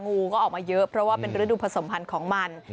งูก็ออกมาเยอะเพราะว่าเป็นฤดูผสมพันธ์ของมัน